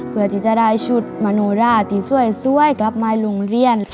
เพื่อที่จะได้ชุดมโนราที่สวยกลับมาโรงเรียน